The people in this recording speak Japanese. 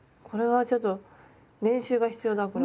これはちょっと練習が必要だ